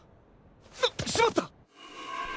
なっしまった！